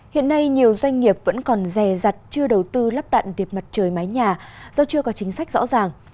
hiện nay nhiều doanh nghiệp vẫn còn rè rặt chưa đầu tư lắp đặt điện mặt trời mái nhà do chưa có chính sách rõ ràng